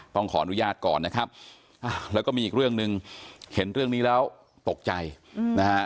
ต้องขออนุญาตก่อนนะครับแล้วก็มีอีกเรื่องหนึ่งเห็นเรื่องนี้แล้วตกใจนะฮะ